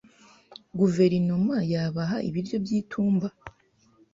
Guverinoma yabaha ibiryo by'itumba.